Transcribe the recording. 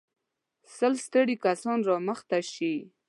سل ستړي کسان را مخته شئ.